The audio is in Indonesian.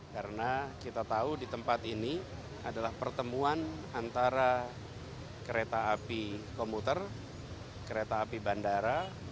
karena kita tahu di tempat ini adalah pertemuan antara kereta api komuter kereta api bandara